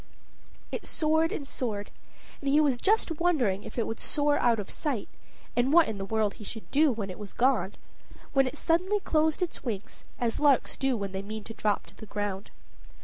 It soared and soared, and he was just wondering if it would soar out of sight, and what in the world he should do when it was gone, when it suddenly closed its wings, as larks do when they mean to drop to the ground.